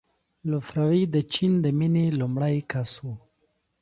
لفروی د جین د مینې لومړی کس و.